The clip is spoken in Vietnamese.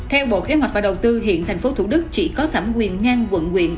theo bộ kế hoạch và đầu tư hiện tp thủ đức chỉ có thẩm quyền ngang quận quyện